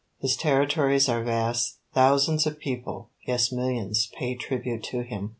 His territories are vast. Thousands of people, yes, millions, pay tribute to him.